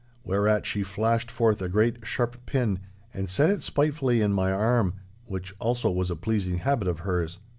Whereat she flashed forth a great, sharp pin and set it spitefully in my arm, which also was a pleasing habit of hers.